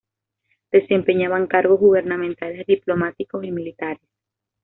Desempeñaban cargos gubernamentales, diplomáticos y militares.